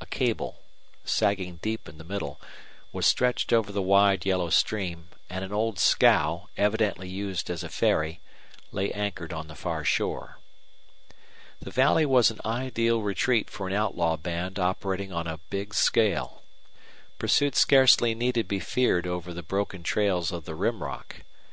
A cable, sagging deep in the middle, was stretched over the wide yellow stream, and an old scow, evidently used as a ferry, lay anchored on the far shore. The valley was an ideal retreat for an outlaw band operating on a big scale. Pursuit scarcely need be feared over the broken trails of the Rim Rock.